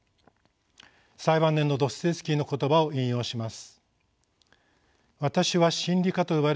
最晩年のドストエフスキーの言葉を引用します。